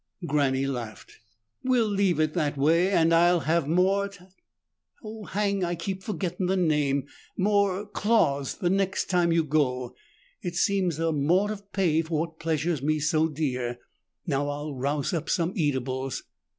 Granny laughed. "We'll leave it that way and I'll have more ta Oh, hang! I keep forgettin' the name. More cloths the next time you go. It seems a mort of pay for what pleasures me so dear. Now I'll rouse up some eatables."